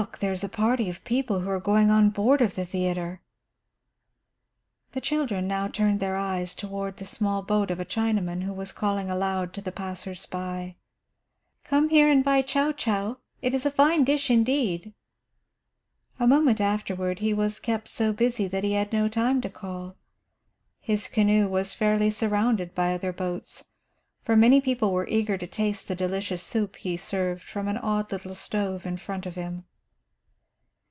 there is a party of people who are going on board of the theatre." The children now turned their eyes toward the small boat of a Chinaman who was calling aloud to the passers by: "Come here and buy chouchou; it is a fine dish, indeed." A moment afterward he was kept so busy that he had no time to call. His canoe was fairly surrounded by other boats, for many people were eager to taste the delicious soup he served from an odd little stove in front of him.